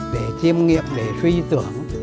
để chiêm nghiệm để suy tưởng